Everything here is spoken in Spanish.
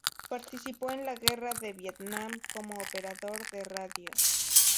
Participó en la Guerra de Vietnam como operador de radio.